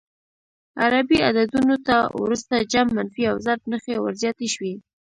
عربي عددونو ته وروسته جمع، منفي او ضرب نښې ور زیاتې شوې.